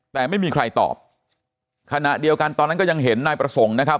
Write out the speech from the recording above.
แต่ไม่มีใครตอบขณะเดียวกันตอนนั้นก็ยังเห็นนายประสงค์นะครับ